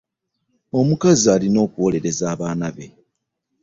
Omukazi alina okuwolereza abaana be.